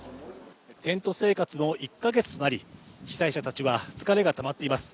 テント生活も１か月となり被災者たちは疲れがたまっています。